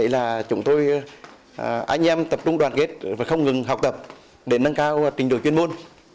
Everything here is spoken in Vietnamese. là chúng tôi anh em tập trung đoàn kết và không ngừng học tập để nâng cao trình đội chuyên môn